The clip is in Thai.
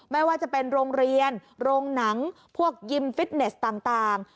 ไม่ว่าจะเป็นโรงเรียนโรงหนังพวกยิมฟิตเนสต่าง